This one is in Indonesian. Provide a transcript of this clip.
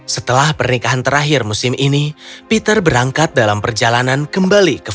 setelah pernikahan terakhir musim ini peter berangkat dalam perjalanan kembali ke